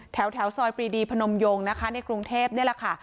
แถวซอยปรีดีพนมยงนะคะในกรุงเทพนี่แหละค่ะ